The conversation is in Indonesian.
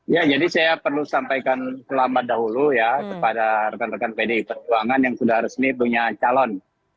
ya jadi saya perlu sampaikan selamat dahulu ya kepada rekan rekan pdi perjuangan yang sudah resmi punya calon